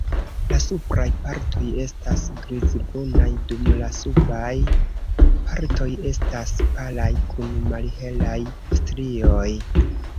La supraj partoj estas grizbrunaj dum la subaj partoj estas palaj kun malhelaj strioj.